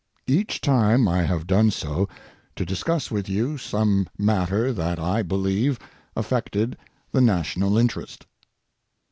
Each time I have done so to discuss with you some matter that I believe affected the national interest.